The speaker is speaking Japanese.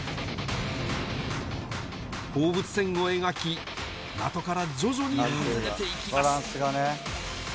放物線を描き、的から徐々に外れていきます。